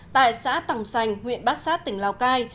tại xã tòng sành huyện bát sát tỉnh lào cai